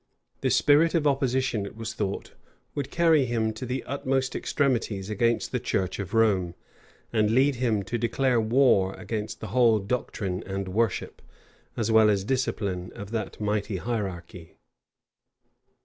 The spirit of opposition, it was thought, would carry him to the utmost extremities against the church of Rome; and lead him to declare war against the whole doctrine and worship, as well as discipline, of that mighty hierarchy.